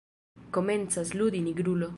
Komencas ludi Nigrulo.